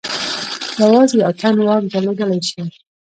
یوازې یو تن واک درلودلای شي.